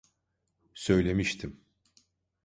Söylemiştim.